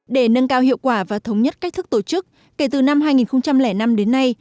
để nâng cao hiệu quả và thống nhất cách thức tổ chức kể từ năm hai nghìn năm đến nay